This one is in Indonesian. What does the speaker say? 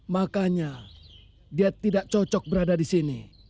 makanya dia tidak cocok berada di sini